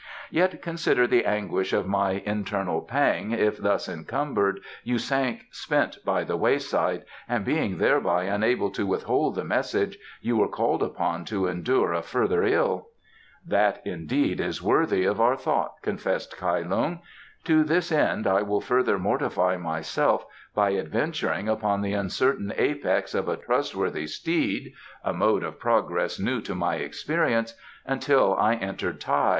"Yet consider the anguish of my internal pang, if thus encumbered, you sank spent by the wayside, and being thereby unable to withhold the message, you were called upon to endure a further ill." "That, indeed, is worthy of our thought," confessed Kai Lung. "To this end I will further mortify myself by adventuring upon the uncertain apex of a trustworthy steed (a mode of progress new to my experience) until I enter Tai."